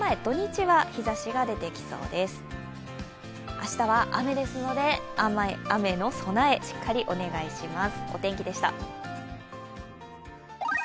明日は雨ですので雨の備え、しっかりお願いします。